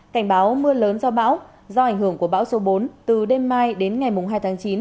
cảnh báo mưa lớn do bão do ảnh hưởng của bão số bốn từ đêm mai đến ngày hai tháng chín